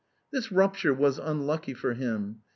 This rupture was unlucky for him.